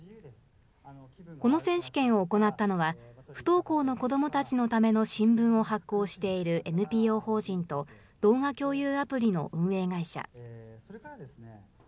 この選手権を行ったのは、不登校の子どもたちのための新聞を発行しているＮＰＯ法人と、動画共有アプリの運営会社。